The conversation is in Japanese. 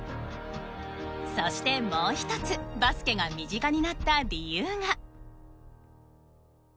そしてもう１つバスケが身近になった理由が。